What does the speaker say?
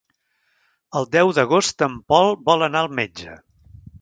El deu d'agost en Pol vol anar al metge.